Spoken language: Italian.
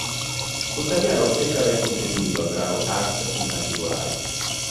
Tuttavia non sembra aver contribuito al brano "Cars" in particolare.